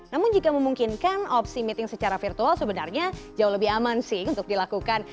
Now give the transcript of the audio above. namun jika memungkinkan opsi meeting secara virtual sebenarnya jauh lebih aman sih untuk dilakukan